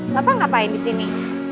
bapak ngapain disini